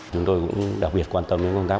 chúng tôi cũng đặc biệt quan tâm đến công tác